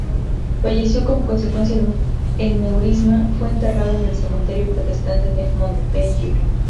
Fallecido como consecuencia de un aneurisma, fue enterrado en el cementerio protestante de Montpellier.